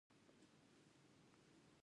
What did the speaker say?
کور مي نوی جوړ کی.